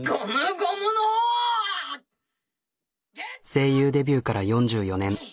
声優デビューから４４年。